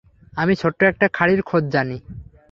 আমি একটা ছোট্ট খাড়ির খোঁজ জানি।